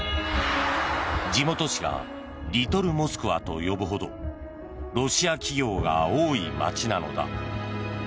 地元紙がリトルモスクワと呼ぶほどロシア企業が多い町なのだ。